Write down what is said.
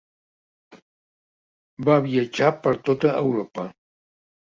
Va viatjar per tota Europa.